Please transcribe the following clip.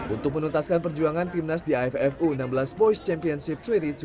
untuk menuntaskan perjuangan timnas di aff u enam belas boys championship dua ribu dua puluh